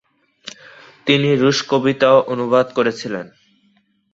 তিনি রুশ কবিতাও অনুবাদ করেছিলেন।